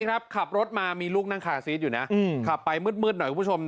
ขับรถมามีลูกนั่งคาซีสอยู่นะขับไปมืดหน่อยคุณผู้ชม